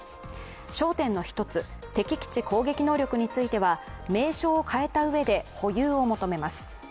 焦点の１つ、敵基地攻撃能力については名称を変えたうえで保有を求めます。